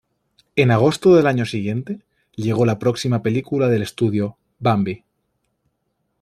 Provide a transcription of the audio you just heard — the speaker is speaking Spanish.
En agosto del año siguiente, llegó la próxima película del estudio, "Bambi".